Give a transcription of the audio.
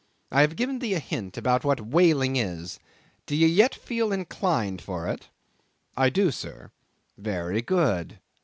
I have given thee a hint about what whaling is; do ye yet feel inclined for it?" "I do, sir." "Very good.